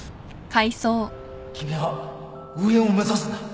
君は上を目指すんだ。